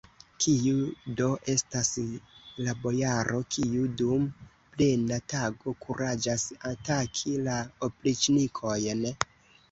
Kiu do estas la bojaro, kiu dum plena tago kuraĝas ataki la opriĉnikojn?